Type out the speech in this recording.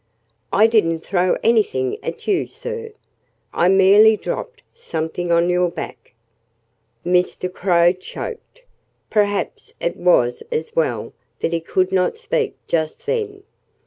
"I didn't throw anything at you, sir. I merely dropped something on your back." Mr. Crow choked. Perhaps it was as well that he could not speak just then.